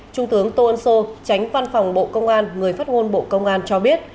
trung tướng tô ân sô tránh văn phòng bộ công an người phát ngôn bộ công an cho biết